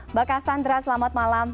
mbak cassandra selamat malam